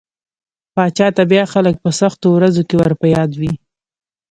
پاچا ته بيا خلک په سختو ورځو کې ور په ياد وي.